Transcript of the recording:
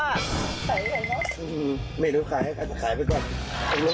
ใส่เลยเหรอครับอืมไม่รู้ขายให้กันขายไปก่อน